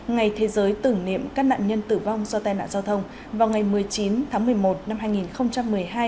ngày thế giới tưởng niệm các nạn nhân tử vong do tai nạn giao thông vào ngày một mươi chín tháng một mươi một năm hai nghìn một mươi hai